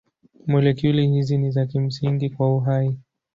Molekuli hizi ni za kimsingi kwa uhai.